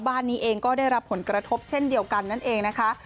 บ้านนี้เองก็ได้รับผลกระทบเช่นเดียวกันนั่นเองนะคะ